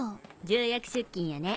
重役出勤やね